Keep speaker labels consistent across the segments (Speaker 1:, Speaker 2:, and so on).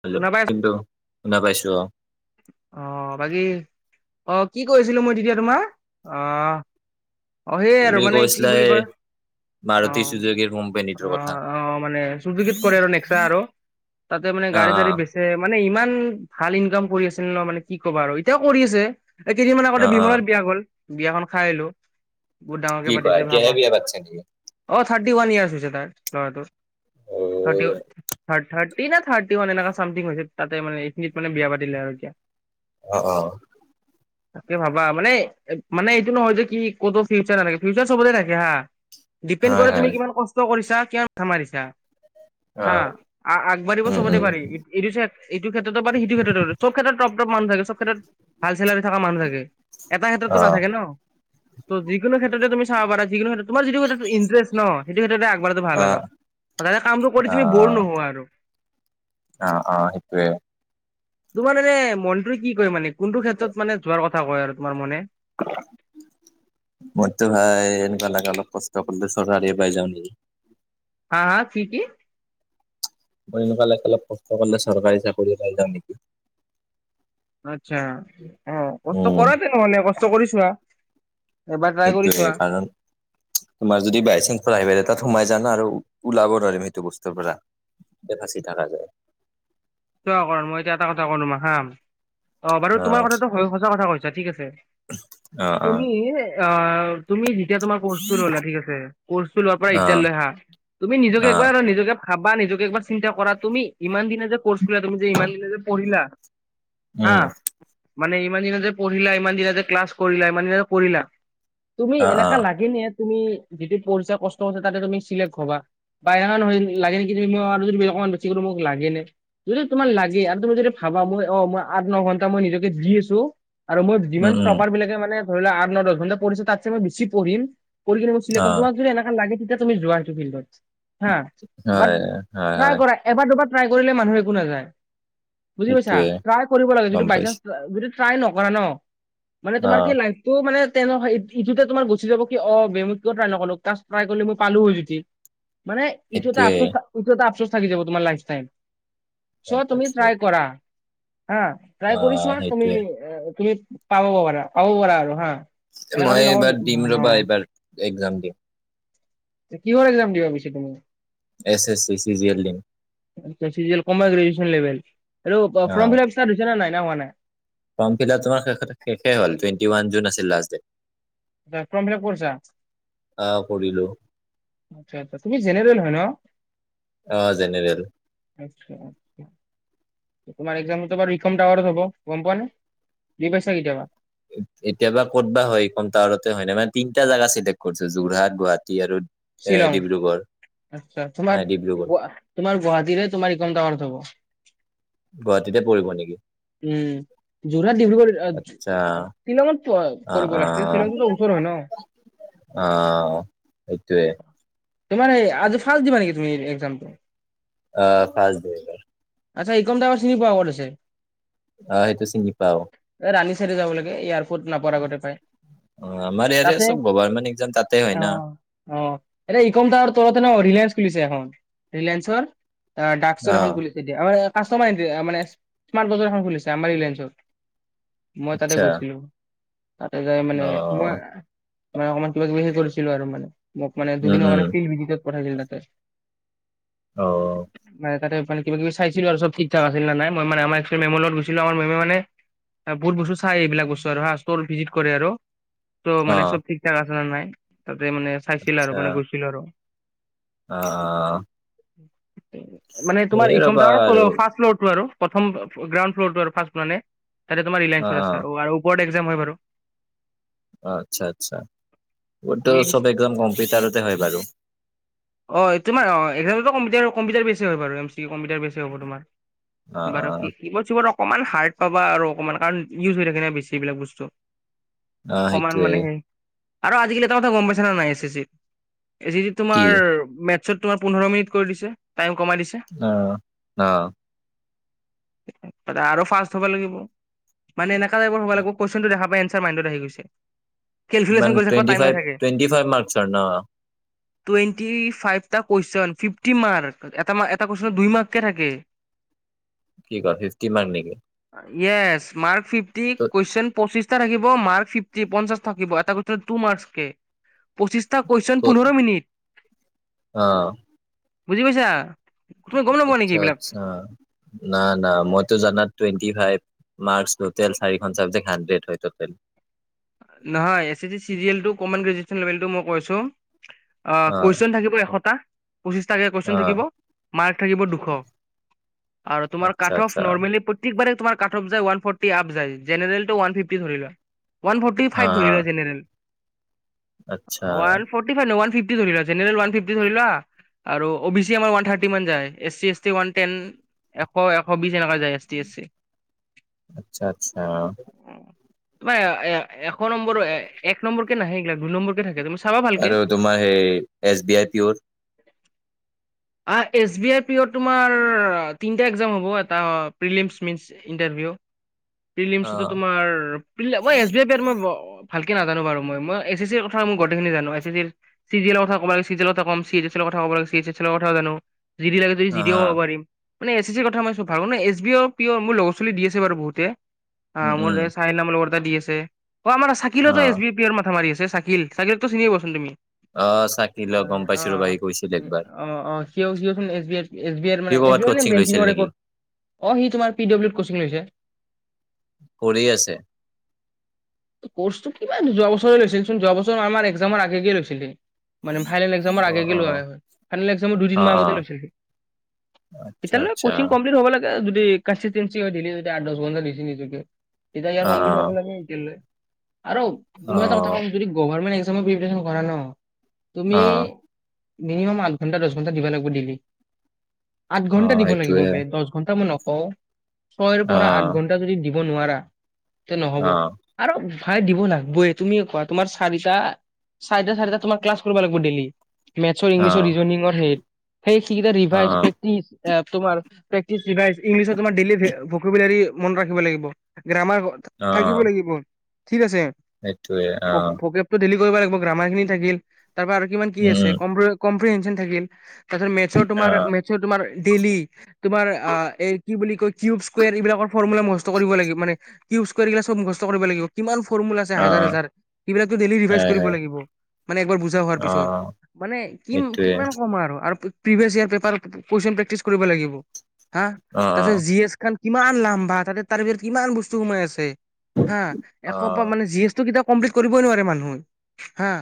Speaker 1: হলে
Speaker 2: শুনা পাই
Speaker 1: কিন্তু শুনা পাইছো অঁ।
Speaker 2: অঁ, বাকী অহ কি কৈ আছিলো মই তেতিয়া তোমাৰ আহ অ সেই আৰু
Speaker 1: তুমি
Speaker 2: মানে কি
Speaker 1: কৈছিলা
Speaker 2: বুলি
Speaker 1: এই
Speaker 2: কয়
Speaker 1: মাৰুতি
Speaker 2: অঁ,
Speaker 1: চুজুকীৰ কোম্পেনীটোৰ কথা
Speaker 2: অঁ, অঁ মানে সপ্লিকত কৰে আৰু বেচা আৰু তাতে মানে
Speaker 1: অ
Speaker 2: গাড়ী চাৰি বেছে মানে ইমান উম, ভাল ইনকম কৰি আছা। নহৈ মানে কি ক'বা আৰু এতিয়াও কৰি আছে। এই কেইদিনমানৰ
Speaker 1: অ
Speaker 2: আগতে
Speaker 1: অ অ
Speaker 2: বিমলৰ বিয়া গ'ল। বিয়াখন খাই আহিলো। বহুত ডাঙৰকে
Speaker 1: কি কোৱা এতিয়া হে বিয়া পাতিছে নেকি?
Speaker 2: [unintelligible] ৱান ইয়াৰ হৈছে তাৰ ল'ৰাটোৰ।
Speaker 1: অ
Speaker 2: তাকে থাৰড - থাৰড। সি না থাৰ্টি ওৱান এনেকা চামথিং হৈছে তাতে মানে এইখিনিত মানে বিয়া পাতিলে আৰু এতিয়া
Speaker 1: অহ - অহ।
Speaker 2: তাকে ভাবা মানে - মানে এইটো নহয় যে কি কতো ফিউচাৰ নথাকে ফিউচাৰ চবতে থাকে হা। ডিপেণ্ড
Speaker 1: হয়
Speaker 2: কৰে তুমি
Speaker 1: হয়
Speaker 2: কি কষ্ট কৰি‌ছা। [unintelligible] কিমান কে মাৰিচা।
Speaker 1: অ
Speaker 2: হা আগবাঢ়িব
Speaker 1: উম
Speaker 2: সবতে
Speaker 1: উম
Speaker 2: পাৰি এইটো এইটো ক্ষেত্ৰতো পাৰি সেইটো ক্ষেত্ৰতো পাৰি চব। সব ক্ষেত্ৰত টপ - টপ মান ভেলু সব ক্ষেত্ৰত ভাল চেলাৰি থকা মানুহ থাকে এটা
Speaker 1: অ
Speaker 2: ক্ষেত্ৰতো নথাকে ন' ত যিকোনো ক্ষেত্ৰতে তুমি চাব পাৰা যিকোনো ক্ষেত্ৰত তোমাৰ যিটো ক্ষেত্ৰত ইণ্টাৰেষ্ট ন। সেইটো ক্ষেত্ৰতে আ [unintelligible] ভাল
Speaker 1: অ
Speaker 2: আৰু তাতে কামটো কৰি তুমি বৰ নোহোৱা আৰু।
Speaker 1: অহ - অহ সেইটোৱে।
Speaker 2: তোমাৰ এনে মনটোৱে কি কয় মানে কোনটো ক্ষেত্ৰত মানে যোৱাৰ কথা কয় আৰু তোমাৰ মনে।
Speaker 1: মইতো ভাই এনেকুৱা লাগে। অলপ কষ্ট কৰিলে চৰকাৰী য়ে পাই যাও নেকি
Speaker 2: হা, কি - কি?
Speaker 1: মোৰ এলেকা লাগে অলপ কষ্ট কৰিলে চৰকাৰী চাকৰিয়ে পাই যাও নেকি।
Speaker 2: আচ্চা অহ ' কষ্ট
Speaker 1: উম
Speaker 2: কৰা তেনেহলে কষ্ট কৰি চোৱা। এবাৰ ট্ৰাই কৰি
Speaker 1: সেইটোয়ে
Speaker 2: চোৱা
Speaker 1: কাৰণ তোমাৰ যদি বাই চানস প্ৰাইভেট এটাত সোমাই জানা আৰু ওলাব নোৱাৰিম সেইটো বস্তুৰ পৰা এতে ফাচী থাকা যায়।
Speaker 2: চোৱা কৰণ মই এতিয়া এটা কথা ক‌ও তোমাক হা। অহ 'বাৰু
Speaker 1: অ
Speaker 2: তোমাৰ কথাটো সচা কথা কৈছা ঠিক আছে।
Speaker 1: অ অ
Speaker 2: তুমি অহ ' তুমি এতিয়া তোমাৰ কৰ্চটো ললা ঠিক আছে কৰ্চটো লোৱাৰ পৰা এতিয়ালৈ হা তুমি নিজকে একবাৰ নিজকে ভাবা নিজকে একবাৰ চিন্তা কৰা তুমি ইমান দিনে যে কৰছ। তুমি যে ইমান দিনে যে পঢ়িলা। হা
Speaker 1: উম,
Speaker 2: মানে ইমান দিনা যে পঢ়িলা ইমান দিনা যে ক্লাছ কৰিলা ইমান দিনা যে পঢ়িলা। তুমি এনেকা লাগে নি তুমি যিটো পঢ়িচা কষ্ট কৰিছা তাতে তুমি চিলেক্ট হবা বা লাগে নেকি তুমি আৰু অকণমান বেছি তোমাক লাগে নে। যদি তোমাৰ লাগে আৰু তুমি যদি ভাবা মই অহ' মই আঠ ন ঘন্টা মই নিজকে দি আছো। আৰু মই যিমান টপাৰ বিলাকে মানে ধৰি লোৱা আঠ, ন, দহ ঘণ্টা পঢ়িছো তাতকৈ মই বেছি পঢ়িম। কৰি কিনি তোমাক যদি এনেকা লাগে। তুমি যোৱাটো ফিল কৰি। হা বাট ট্ৰীই কৰা এবাৰ দুবাৰ। প্ৰাই কৰিলে মানুহে একো নাযায় বুজি পাইছা ট্ৰাই কৰিব লাগে
Speaker 1: গম
Speaker 2: যিটো
Speaker 1: পাইছো।
Speaker 2: বাইচান্স যিটো ট্ৰাই নকৰা ন মানে তোমাৰ
Speaker 1: অ',
Speaker 2: কি লাইফটো মানে তেনে ইটোতে তোমাৰ গুচি যাব কি অ বেমু কিয় টাই নো কা ট্ৰাই কৰিলে মই পালো হয় যদি। মানে ইটোতে আ
Speaker 1: সেইটোৱে,
Speaker 2: ইটো আপ থাকি যাব তমাৰ লাইফটাইম।
Speaker 1: গম
Speaker 2: চ' তুমি
Speaker 1: পাইছো।
Speaker 2: ট্ৰাই কৰা। হা ট্ৰাই
Speaker 1: অ',
Speaker 2: কৰিছোৱা তুমি
Speaker 1: সেইটোৱে।
Speaker 2: তুমি পাব প পাৰা পাব পাৰা আৰু হা এনেকা যে
Speaker 1: মই
Speaker 2: নহয়
Speaker 1: এইবাৰ দিম
Speaker 2: নহয়
Speaker 1: ৰবা
Speaker 2: নহয়।
Speaker 1: এইবাৰ এক্সাম দিম।
Speaker 2: কিহৰ এক্সাম দিবাবিছ তুমি?
Speaker 1: S S C C G L দিম।
Speaker 2: চি অমাৰ গ্ৰেজুেশন লেভেল আৰু ফৰ্ম
Speaker 1: অ',
Speaker 2: ফিল আপ চ দিছে নাই। মানে
Speaker 1: ফৰ্ম ফিল তোমাৰ শেষে হ'ল টুৱেটি ৱান জুন আছিল লাষ্ট ডেট।
Speaker 2: ত ফৰ্ম ফিলাপ কৰিছা?
Speaker 1: অ', কৰিলো।
Speaker 2: আ আচ্ছা তুমি জেনেৰেল হয় ন
Speaker 1: অ', জেনেৰেল।
Speaker 2: আচ্ছা। তোমাৰ এক্সামটো বাৰো ইকম টাৱাৰত হব, গম পোৱা নে দি পাইছা কেতিয়াবা?
Speaker 1: এতিয় বা ক'ত বা হয় কম টাৱাৰতে হয় ন মানে তিনটা জেগা চিলেক্ট কৰিছো যোৰহাট গুৱাহাটী আৰু এ
Speaker 2: শ্বিলং
Speaker 1: ডিব্ৰুগড়,
Speaker 2: আচ্ছা
Speaker 1: নাই
Speaker 2: তোমাৰ
Speaker 1: ডিব্ৰুগড়।
Speaker 2: তোমাৰ গুৱাহাটীৰে তোমাৰ ইকম টাৱাৰত হব।
Speaker 1: গুৱাহাটীতে পৰিব নেকি?
Speaker 2: উম যোৰহাট ডিব্ৰুগড়
Speaker 1: আচ্ছা,
Speaker 2: শ্বিলঙত
Speaker 1: অ',
Speaker 2: কৰিব লাগিছিল
Speaker 1: অ',
Speaker 2: শ্বিলংটোতো ওচৰ হয় ন।
Speaker 1: অ'। সেইটোয়ে
Speaker 2: তুমাৰ আজ ফাৰ্ষ্ট দিবা নেকি তুমি এক্সামটো?
Speaker 1: অ', ফাৰ্ষ্ট দিম এইবাৰ।
Speaker 2: আচ্ছা ইকম দঙৰ চিনি পোৱা ক'ত আছে?
Speaker 1: আহ সেইটো চিনি পাও।
Speaker 2: ৰানি চাইডে যাব লাগে ইয়াৰ নেপুৱাৰ আগতে পাই।
Speaker 1: অ', আমাৰ ইয়াৰে
Speaker 2: তাতে
Speaker 1: চব গভাৰমেন্ট এক্জাম তাতে হয় না
Speaker 2: অ' ইকম টাৱাৰ তলতে ন ৰিলায়েন্স খুলিছে এখন ৰিলায়েন্সৰ ডাকচৰ
Speaker 1: অ',
Speaker 2: এখন গুলি আমাৰ কাষ্টমাৰ এ মানে স্মাৰ্ট বজাৰ এখন খুলিছে আমাৰ ৰিলায়েন্সত। মই তাতে
Speaker 1: আচ্ছা
Speaker 2: গৈছিলো, তাতে যাই মানে,
Speaker 1: অ'।
Speaker 2: মই মানে অকমান কিবা-কিবি হেই কৰিছিলো আৰু মানে। মোক মানে
Speaker 1: উম,
Speaker 2: দুদিনৰ
Speaker 1: উম,
Speaker 2: কাৰণে ফিল্ড ভিজিটত পঠাইছিল তাতে।
Speaker 1: অ',
Speaker 2: মানে তাতে মানে কিবা কিবি চাইছিলো আৰু চব ঠিক - ঠাক আছিল নে নাই মই মানে আমাৰ একচুৱেলি মেমৰ লগত গৈছিলোঁ আমাৰ মেমে মানে বহুত বস্তু চাই এইবিলাক বস্তু হা, ষ্টৰ ভিজিট কৰে আৰু ত' মানে
Speaker 1: অ',
Speaker 2: চব ঠিক-ঠাক আছ হোৱা নাই? তাতে মানে চাইছিল আৰু, মানে গৈছিল আৰু
Speaker 1: অ', অ'।
Speaker 2: [inaudible] মানে তোমাৰ এই
Speaker 1: ৰ'বা
Speaker 2: গ্ৰাওন
Speaker 1: আৰু
Speaker 2: ফ্ল'ৰ, ফাৰ্ষ্ট ফ্লৰ টো‌ আৰু, প্ৰথম গ্ৰাউণ্ড ফ্লৰটো আৰু ফাৰ্ষ্ট মানে। তাতে তোমাৰ
Speaker 1: অ',
Speaker 2: ৰিলায়েঞ্চৰ আছে,
Speaker 1: অ',
Speaker 2: [unintelligible] আৰু ওপৰতে এক দে মই বাৰু।
Speaker 1: অ', আচ্ছা, আচ্ছা। মোৰটো
Speaker 2: তুমি পিছে
Speaker 1: চব একদম কম্পিউটাৰতে হয় বাৰু।
Speaker 2: অ', এই তোমাৰ অ, এই [unintelligible] কম্পিউটাৰ। কম্পিউটাৰ বেছি হয় বাৰু এম চি কী কম্পিউটাৰ বেছি হ'ব তোমাৰ,
Speaker 1: অ',
Speaker 2: বাৰু কি
Speaker 1: অ',
Speaker 2: কীবৰ্ড চিবৰ্দ অক অকণমান হাৰ্ড পাবা আৰু অকমান। কাৰণ, ইউজ হৈ থাকে নে বেছি এইবিলাক বস্তু।
Speaker 1: অ',
Speaker 2: অকমান
Speaker 1: সেইটোয়ে
Speaker 2: মানে সেই আৰু আজিকালি এটা কথা গম পাইছা নে নাই, এছ এছি চিৰ? এ যিদি
Speaker 1: কি
Speaker 2: তোমাৰ মেটছত তোমাৰ পোন্ধৰ মিনিট কৰি দিছে। টাইম কমাই দিছে
Speaker 1: অ' অ'।
Speaker 2: আৰু ফাষ্ট হ'ব লাগিব, মানে এনে [unintelligible] টাইপৰ হ'ব লাগিব, কোৱেচনটো দেখা পাই এণ চা মাইণ্ডত আহি গৈছে।
Speaker 1: কিমান?
Speaker 2: কেলকুলেশ্যন কৰি থাকিব
Speaker 1: টুৱেনটি
Speaker 2: টাইম
Speaker 1: ফাইভ,
Speaker 2: নাথাকে
Speaker 1: টুৱেনটি ফাইভ মাৰ্ক্সৰ ন?
Speaker 2: টুৱেন টি ফাইভটা কোৱেচন, ফিফ্টি মাৰ্ক, এটা মা-এটা কুৱেচনত দুই মাৰ্ককে থাকে।
Speaker 1: কি কয়, ফিফটি মাৰ্ক নেকি?
Speaker 2: ইয়েচ মাৰ্ক ফিফ্টি,
Speaker 1: ত'
Speaker 2: কুৱেশ্চন পঁচিছ এটা থাকিব মাৰ্ক ফিফটি, পঞ্চাশ থাকিব। এটা কুৱেচনত টু মাৰ্কচকে। পঁচিছ টা কুৱেচন
Speaker 1: ত'
Speaker 2: পোন্ধৰ মিনিট
Speaker 1: অ'
Speaker 2: বুজি পাইছা? তুমি গম নোপোৱা নেকি
Speaker 1: আচ্ছা,
Speaker 2: এইবিলাক?
Speaker 1: আচ্ছা, না, না, মইতো জানাত টুৱেণ্টি ফাইভ, মাৰ্কস টোটেল চাৰিখন ছাবজেক্ট হাণ্ড্ৰেড হয় টোটেল।
Speaker 2: নহয় এ চি‌ দি চিৰিয়েলটো, কমন জন ৰেজিস্তেন লেবেলটো মই কৈ আছোঁ অ, কুৱেশন থাকিব এশটা পঁচিশ কে কুৱেশন
Speaker 1: অ
Speaker 2: থাকিব, মাৰ্ক থাকিব দুশ। আৰু তোমাৰ
Speaker 1: আচ্ছা
Speaker 2: কাট অফ
Speaker 1: আচ্ছা
Speaker 2: নৰ্মেলি প্ৰত্যেকবাৰে তোমাৰ কাটফযে ওৱান ফৰটি আপ জাই জেনেৰেল টো ওৱান ফিভ টি ধৰি লোৱা ওৱান
Speaker 1: অ
Speaker 2: ফাইভ ধৰি ল জেনেৰেল
Speaker 1: আচ্ছা
Speaker 2: ওৱান [unintelligible] [unintelligible] জেনেৰেল ওৱান ফিভটি ধৰি লোৱা আৰু অ বি চি আমাৰ ওৱান থাৰ্টি মান যায় S T S T one ten এশ এশ বিছ যেনেকুৱা যায় এছ টি আছে
Speaker 1: আচ্ছা আচ্ছা
Speaker 2: অ [unintelligible] এশ নম্বৰ এক নম্বৰ কে নাহে এইগিলাক দুই নম্বৰক কে থাকে তুমি চাবা ভালকে
Speaker 1: আৰু তোমাৰ সে এছ বি আই পিয়ৰ
Speaker 2: এছ বি আই পিয়ৰ তোমাৰ তিনটা [unintelligible] হ'ব এটা [unintelligible] ইণ্টাৰভিউ
Speaker 1: অ
Speaker 2: প্ৰিলিমছটো তোমাৰ [unintelligible] ভালকে নাজানো বাৰু মই এ চি ৰ কথা মই গোটেইখিনি জানো এ চি [unintelligible] [unintelligible] জানো জি ডি লাগে যদি
Speaker 1: হা
Speaker 2: জি ডিও
Speaker 1: হা
Speaker 2: কব পাৰিম মানে এছ চিৰ কথা মই চব ভাল ন এছ বি আৰ পিয় মোৰ লগৰ ছোৱালি দি আছে বাৰু বহুতে আ
Speaker 1: উম
Speaker 2: মোৰ
Speaker 1: উম
Speaker 2: [unintelligible] [unintelligible] দি আছে অ', আমাৰ
Speaker 1: অ
Speaker 2: চাকিলেওতো এছ বি পি এৰ মাথা মাৰি আছে তে চাকিল, চাকিলকতো চিনিয়ে পোৱাচোন তুমি।
Speaker 1: অ', চাকিল, অ, গম পাইছোঁ ৰ'বা। সি কৈছিল একবাৰ।
Speaker 2: অ', অ। কিয়, এছ বি আই ছোন, এছ বি আইত এছ বি আইত
Speaker 1: সি
Speaker 2: মানে, এছ
Speaker 1: ক'ৰবাত
Speaker 2: বি আই মানে
Speaker 1: কচিং লৈছিল
Speaker 2: বেংকিঙৰ [unintelligible]
Speaker 1: নেকি
Speaker 2: অ' সি তোমাৰ পি ডব্লিউত কচিং লৈছে।
Speaker 1: কৰি আছে?
Speaker 2: কিবা, যোৱা বছৰে লৈছিল চোন যোৱা বছৰ আমাৰ একজামৰ আগে আগে লৈছিল সি। মানে ফাইনেল এক্সামৰ
Speaker 1: অ
Speaker 2: আগে আগে
Speaker 1: অ
Speaker 2: লোৱা [unintelligible] ইলেক্সনৰ দুই তিন
Speaker 1: অ
Speaker 2: মাহ
Speaker 1: অ
Speaker 2: আগতে লৈছিল সি।
Speaker 1: আচ্ছা
Speaker 2: এতিয়ালৈ
Speaker 1: আচ্ছা
Speaker 2: ক'চিং কমপ্লিট হ'ব লাগে, যদি কণষ্টিটিনচ [inaudible] এতিয়া ইয়াৰ
Speaker 1: অ
Speaker 2: কমপ্লিট হব লাগে এতিয়ালৈ আৰু,
Speaker 1: অ
Speaker 2: মই এটা কথা ক'ম
Speaker 1: অ
Speaker 2: যদি গভৰ্মেণ্ট তুমি প্ৰীপেৰচন কৰা ন? তুমি
Speaker 1: অ
Speaker 2: মিনিমাম আঠ ঘণ্টা দচ ঘণ্টা দিব লাগিব ডেইলি। আঠ
Speaker 1: অ
Speaker 2: ঘণ্টা দিব লাগিব
Speaker 1: সেইটোৱে
Speaker 2: বে দহ ঘণ্টা মই অঁ। ছয়ৰ
Speaker 1: অ
Speaker 2: পৰা আঠ ঘণ্টা যদি দিব নোৱাৰা তেন্তে
Speaker 1: অ
Speaker 2: নহব আৰু ভাই দিবনা বুই তুমিয়ে কোৱা, তোমাৰ চাৰিটা চাৰিটা চাৰিটা তোমাৰ ক্লাছ কৰিব লাগিব ডেইলি। মেথছৰ
Speaker 1: অ
Speaker 2: ইংলিছ ৰিজনিঙৰ হেড সেই সিকিতা
Speaker 1: অ
Speaker 2: ৰিভাইজ,
Speaker 1: অ
Speaker 2: প্ৰেকটিচ এইয়া তোমাৰ প্লক্টিছ ৰিভাইছ ইংলিছত তোমাৰ ডেইলি ভোকেবোলৰি মন ৰাখিব লাগিব। গ্ৰামাৰ
Speaker 1: অ
Speaker 2: থাকিব লাগিব। ঠিক আছে
Speaker 1: সেইটোৱে অ
Speaker 2: ভোকে ভোকেবোলৰি ডেইলি কৰিব লাগিব, গ্ৰামাৰ খিনি থাকিল। তাৰ পৰা আৰু কিমান কি আছে,
Speaker 1: উম
Speaker 2: কমপ্লিট কম্পিৰেনশ্যন থাকিল পাছত মেথচৰ
Speaker 1: উম অ
Speaker 2: তোমাৰ মেথচৰ তোমাৰ ডেইলি তোমাৰ এই কি বুলি কয় কিউব স্কোৱেৰ এইবিলাকৰ ফৰ্মুলা মুখস্থ কৰিব লাগিব। মানে কিউব স্কোৱেৰবিলাক চব মু্খস্থ কৰিব লাগিব। কিমান ফৰ্মূলা আছে
Speaker 1: অ
Speaker 2: হাজাৰ হাজাৰ সেবিলাক ডেইলী ৰিভাইচ
Speaker 1: হয়
Speaker 2: কৰিব
Speaker 1: হয়
Speaker 2: লাগিব। মানে একবাৰ বুজা হোৱাৰ
Speaker 1: অ
Speaker 2: পিছত, মানে কি
Speaker 1: সেইটোৱে
Speaker 2: কিমান ক'ম আৰু, আৰু প্ৰিভিয়াছ ইয়াৰ পেপাৰ প্ৰজিচন প্ৰেক্টিছ কৰিব লাগিব হা
Speaker 1: অ অ
Speaker 2: তাৰপিছত জি এছ খান কিমান লাম্বা তাতে তাৰ ভিতৰত কিমান বস্তু সোমাই আছে। হা এশ
Speaker 1: অ
Speaker 2: পৰা মানে জি এছ টো কিতাপ কমপ্লিট কৰিবই নোৱাৰে মানুহে। হা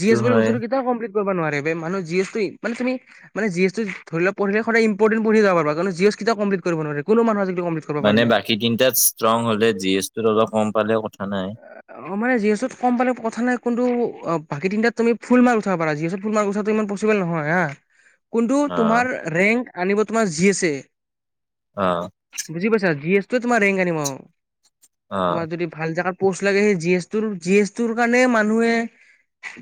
Speaker 2: জি এছ বুলি
Speaker 1: হয়
Speaker 2: বস্তুটো কেতিয়াওঁ কমপ্লিট কৰিব নোৱাৰে। মানুহ জি এছ টো মান তুমি মানে জ এছ টো ধৰিল প়ঢ়িলে সদায় ইম্পৰ্টেণ্ট পঢ়ি যাব পাৰা। কাৰন জি এছ কতিয়াও কম্পিল্ট ক কৰিব নোৱাৰে। কোনো মানুহে আজি
Speaker 1: মানে বাকী তিনটাত ষ্ট্ৰং হ'লে জি এছ টোত অলপ ক'ম পালেও ক
Speaker 2: অ' মানে জি এছ টোত ক'ম পালেও কথা নাই। কিন্তু বাকী তিনটাত তুমি ফুল মাৰ্ক উঠাব পাৰা জি এছত ফুল মাৰ্ক উঠাটো ইমান পচিব'ল নহয় হা। কোনটো
Speaker 1: অ
Speaker 2: তোমাৰ ৰেংক আনিব তোমাৰ জি এছে।
Speaker 1: অ
Speaker 2: বুজি পাইছা জি এছ টোয়ে তোমাৰ ৰেংক আনিব, আৰু
Speaker 1: অ
Speaker 2: তোমাৰ যদি ভাল জেগাত প'ষ্ট লাগে সেই জি এছ টোৰ জি এছ টোৰ কাৰণে সেই মানুহে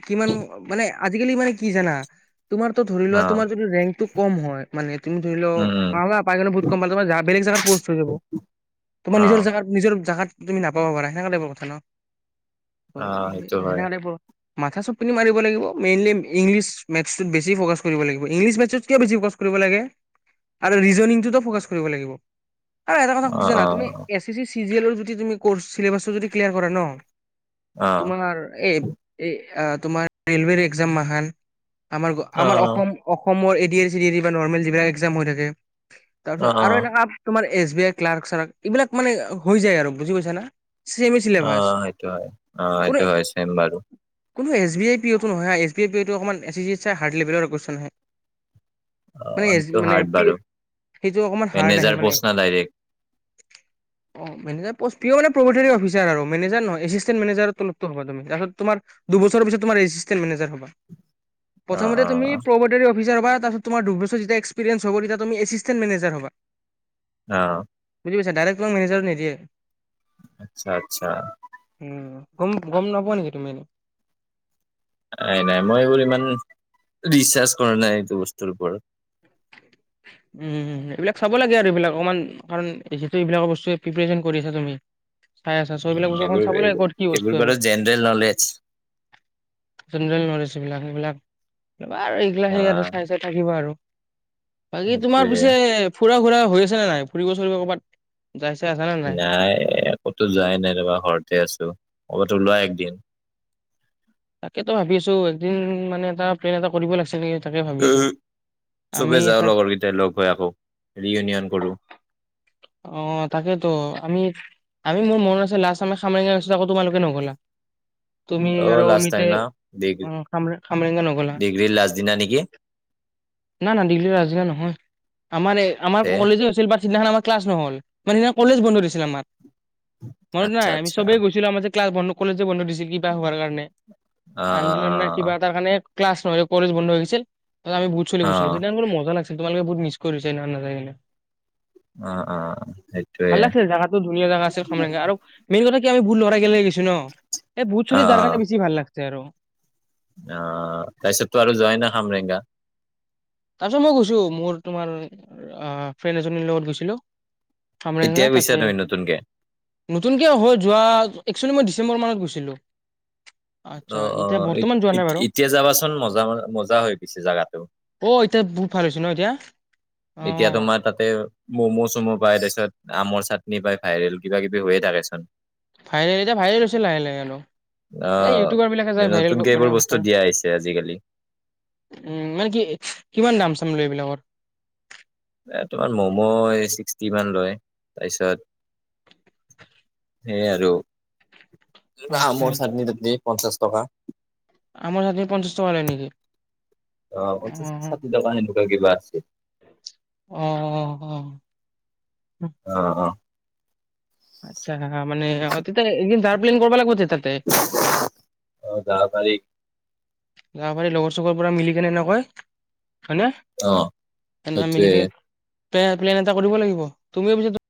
Speaker 2: কিমান মানে আজিকালি মানে কি জানা তোমাতো ধৰি
Speaker 1: অ
Speaker 2: লোৱা তোমাৰ যিটো ৰেংক টো ক'ম হয়, মানে তুমি ধৰি ল
Speaker 1: উম উম
Speaker 2: পালা, পাই গ'লে বহুত কম পালা তোমাৰ বেলেগ জেগাত পষ্ট হৈ যাব। তোমাৰ
Speaker 1: অ
Speaker 2: নিজৰ জেগাত নিজৰ জেগাত তুম নাপাবপাৰা সেনেকা টাইপৰ হেল্ল'? অ' হেই
Speaker 1: সেইটো হয়
Speaker 2: হেনেকা টাইপৰ মাথা চবপিনে মাৰিব লাগিব, মেইনলি ইংলিছ মেথছটোত বেছি ফ'কাছ কৰিব লাগিব। ইংলিছ মেথছত কিয় বেছি ফকাছ কৰিব লাগে আৰু ৰিজনিংটোতো ফ'কাছ কৰিব লাগিব। আৰূ এটা
Speaker 1: অ
Speaker 2: কি জানা,
Speaker 1: অ
Speaker 2: তুমি এ এছ চি চিজিএলৰ যদি তুমি কৰ্চ চিলেবাছটো যদি ক্লিয়াৰ কৰা ন
Speaker 1: অ
Speaker 2: তোমাৰ এই এই তোমাৰ ৰেলৱেৰ এগজাম মখান। আমাৰ
Speaker 1: অ
Speaker 2: আমাৰ অসম অসমৰ এই ডি এ চি ডি বা নৰ্মেল যিবিলাক এক্সাম হৈ থাকে
Speaker 1: অ
Speaker 2: তাৰপিছত আৰু এনেকা তোমাৰ এছ বি আই ক্লাৰ্ক চাৰ্ক এইবিলাক মানে হৈ যায় আৰু বুজি পাইছা না? চেমে
Speaker 1: অ
Speaker 2: চিলেবাছ
Speaker 1: সেইটো হয়, অ
Speaker 2: কোনো
Speaker 1: সেইটো হয় চেম বাৰু।
Speaker 2: এছ বি আই পিঅটো নহয় হা এছ বি আই পিঅ টো অকণমান এছ এছ চিত চাই হাৰ্ড লেভেলৰ কোৱেচন আহে। মানে
Speaker 1: অ'
Speaker 2: এছ
Speaker 1: সেইটো
Speaker 2: মানে
Speaker 1: হাৰ্ড
Speaker 2: পি
Speaker 1: বাৰু
Speaker 2: সেইটো অকমান হাৰ্ড আহে
Speaker 1: মেনেজাৰ
Speaker 2: মানে
Speaker 1: প'ষ্ট না ডাইৰেক্ট?
Speaker 2: অ মেনেজাৰ পোষ্ট প্ৰিয় মানে প্ৰভটৰ অফিচাৰ আৰু মেনেজাৰ নহয়, এচিষ্টেণ্ট মেনেজাৰৰ তলৰটো হবা তুমি, তাৰপিছত তোমাৰ দুবছৰ পাছত তোমাৰ এচিষ্টেণ্ট মেনেজাৰ হবা।
Speaker 1: অ
Speaker 2: প্ৰথমতে
Speaker 1: অ
Speaker 2: তুমি প্ৰবটৰী অফিচাৰ হবা তাৰপিছত তোমাৰ দুবছৰ যেতিয়া এক্সপেৰিয়েন্স হ'ব তেতিয়া তুমি এচিষ্টেণ্ট মেনেজাৰ হবা।
Speaker 1: অ',
Speaker 2: বুজি পাইছা ডাইৰেক্ট তোমাক মেনেজাৰত নিদিয়ে।
Speaker 1: আচ্ছা আচ্ছা।
Speaker 2: উম, গম-গম নাপোৱা নেকি তুমি এনে?
Speaker 1: নাই নাই মই এইবোৰ ইমান ৰিচাৰ্চ কৰা নাই এইটো বস্তুৰ ওপৰত।
Speaker 2: উম, এইবিলাক চাব লাগে আৰু এইবিলাক অকমান, কাৰণ জিহেটো এইবিলাক বস্তু প্ৰিপ্ৰেচন কৰি আছা তুমি। চাই আছা চ' এইবিলাক
Speaker 1: উম
Speaker 2: বস্তু অকমান
Speaker 1: এইবোৰ
Speaker 2: চাব
Speaker 1: এইবোৰ
Speaker 2: লাগিব কি বস্তু
Speaker 1: এইবোৰ
Speaker 2: আৰু,
Speaker 1: বাৰু জেনেৰেল নলেজ
Speaker 2: জেনেৰেল নলেজ এইলাক এইবিলাক আৰু এইগিলা
Speaker 1: অ
Speaker 2: হেই চাই চাই থাকিব আৰু। বাকী তোমাৰ
Speaker 1: সেইটোয়ে
Speaker 2: পিছে ফুৰা ঘুৰা হৈ আছে নে নাই, ফুৰিব চুৰিব ক'বাত।
Speaker 1: নাই, এ ক'তো যোৱাই নাই ৰ'বা ঘৰতে আছোঁ। [unintelligible] লোৱা একদিন।
Speaker 2: তাকেতো ভাবি আছোঁ এদিন মানে এটা প্লেন এটা কৰিব লাগছে নেকি। তাকে ভাবি আছোঁ,
Speaker 1: উম, চবে
Speaker 2: আমি
Speaker 1: যাওঁ
Speaker 2: চা,
Speaker 1: লগৰ কেইটাই লগ হৈ আকৌ ৰিইউনিয়ন কৰো
Speaker 2: অ, তাকেতো আমি আমি মোৰ মনত আছে লাষ্ট আমাৰ খামৰেঙা গৈছিলোঁ আকৌ তোমালোকে নগ'লা। তুমি
Speaker 1: অ
Speaker 2: আৰু মি
Speaker 1: লাষ্ট
Speaker 2: সে
Speaker 1: টাইম না ডিগ্ৰী
Speaker 2: উম, খামৰে - খামৰেঙা নগলা
Speaker 1: ডিগ্ৰীৰ লাষ্ট দিনা নেকি
Speaker 2: না -না [unintelligible] আজিয়ে নহয়। আমাৰে আমাৰ
Speaker 1: তে
Speaker 2: কলেজো আছিল বাট সিদনাখন আমাৰ ক্লাছ নহ'ল মানে সেদিনা কলেজ বন্ধ দিছিল আমাক। মনত
Speaker 1: আচ্ছা
Speaker 2: নাই আমি
Speaker 1: আচ্ছা
Speaker 2: চবেই গৈছিলোঁ আমাৰ যে ক্লাছ বন্ধ কলেজ যে বন্ধ দিছিল কিবা হোৱাৰ কাৰণে।
Speaker 1: অ
Speaker 2: আন্দোলন ন কিবা এটাৰকানে ক্লাছ নহ যে কলেজ বন্ধ হৈ গৈছিল। ত আমিবহুত চলি
Speaker 1: অ অ
Speaker 2: কৈছিলো সেই মা লাগছে তোমালোকে বহুত মিছ কৰিছে ন নাযায় কিনে।
Speaker 1: অ অ
Speaker 2: ভাল
Speaker 1: সেইটোয়ে
Speaker 2: লাগছিল জোগাতটো ধুনীয়া জেগা আছে খামৰেংগা আৰু মেইন কথা আমিু লৰা কে লৈ গো ন এই ভুত
Speaker 1: অ
Speaker 2: চলি যাৰ
Speaker 1: অ
Speaker 2: কাৰণে বেছি ভাল লাগছে জেৰো
Speaker 1: অ তাৰছত টো আৰু যায় না সামৰেংগা।
Speaker 2: তাৰ পিছত মই গৈছো মোৰ তোমাৰ ফ্ৰেণ্ড এজনীৰ লগত গৈছিলো।
Speaker 1: এতিয়া
Speaker 2: খামৰেংগা
Speaker 1: গৈছা
Speaker 2: তাতে
Speaker 1: তুমি নতুনকে
Speaker 2: নতুনকে হল যোৱা একচু মই ডিচেম্বৰ মানত গৈছিলো। আচ্ছা
Speaker 1: আহ
Speaker 2: এতিয়া
Speaker 1: আহ
Speaker 2: বৰ্তমান যোৱা নাই বাৰু
Speaker 1: এতিয়া যাবাচোন মজা মজা হৈ গিছে জাগাটো।
Speaker 2: অ বহুত এতিয়া ভাল হৈছে ন এতিয়া। অ
Speaker 1: এতিয়া তোমাৰ তাতে ম'ম' চম' পায় তাৰপিছত আমৰ চাটনি পায় ভাইৰেল কিবা কিবি হৈয়ে থাকেচোন।
Speaker 2: ভৰেল এতিয়া ভাইৰেল হৈছে লাহে লাহে আৰু এই
Speaker 1: আহ
Speaker 2: ইউটিউবাৰ বিলাকে যাই ভাইৰেল প
Speaker 1: নতুনকে
Speaker 2: উ
Speaker 1: এইবোৰ বস্তু দিয়া আহিছে আজিকালি
Speaker 2: মানে কি কিমান দাম চাম লৈ [inaudible]
Speaker 1: এ তোমাৰ ম'ম' এই সীষ্টি মান লয় তাৰপিছত সেইয়াই আৰু
Speaker 2: আচ্ছা
Speaker 1: অমৰ চাটনি তাত্নি পঞ্চাছ টকা।
Speaker 2: আমাৰ চাটনি পঞ্চাছ টকা লয় নেকি?
Speaker 1: অ পঞ্চাছ ষাঠি টকা কিবা আছে।
Speaker 2: অহ,
Speaker 1: অ, ' অ, '
Speaker 2: আচ্ছা মানে অতীত এিন [unintelligible] পেকিং কৰ্বা লগবো টে
Speaker 1: আহ যাবা পাৰি।
Speaker 2: যাবাপাৰী লগৰ চগৰ পৰা মিলি কেনে সেনেকয়।
Speaker 1: অ, ' সেইটোৱে।
Speaker 2: প্লে প্লেন এটা কৰিব লাগিব তুমি পিছ